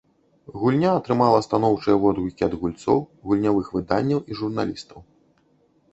Гульня атрымала станоўчыя водгукі ад гульцоў, гульнявых выданняў і журналістаў.